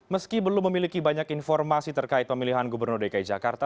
meski belum memiliki banyak informasi terkait pemilihan gubernur dki jakarta